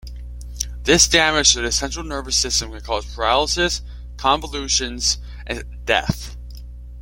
This damage to the central nervous system can cause paralysis, convulsions, and death.